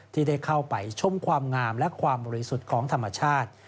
ที่ได้เข้าไปชมความงามและความบริสุทธิ์ของธรรมชาติ